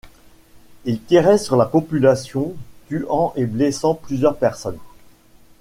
Ils tiraient sur la population, tuant et blessant plusieurs personnes.